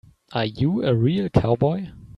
Are you a real cowboy?